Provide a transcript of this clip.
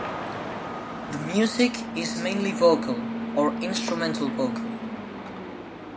The music is mainly vocal, or instrumental-vocal.